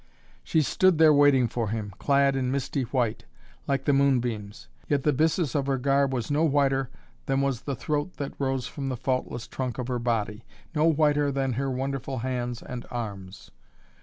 She stood there waiting for him, clad in misty white, like the moonbeams, yet the byssus of her garb was no whiter than was the throat that rose from the faultless trunk of her body, no whiter than her wonderful hands and arms.